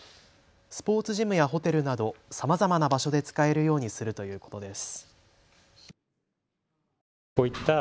スポーツジムやホテルなどさまざまな場所で使えるようにするということです。